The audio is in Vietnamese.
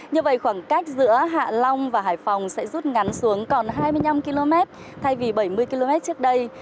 như vậy khoảng cách giữa hạ long và hải phòng sẽ rút ngắn xuống còn hai mươi năm km thay vì bảy mươi km trước đây